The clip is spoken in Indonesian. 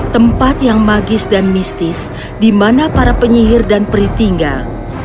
tempat yang magis dan mistis di mana para penyihir dan peri tinggal